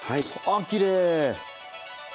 あきれい！